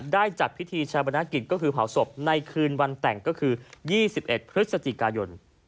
ได้จัดพิธีชาวบรรณกิจก็คือเผาศพในคืนวันแต่งก็คือยี่สิบเอ็ดพฤษจิกายน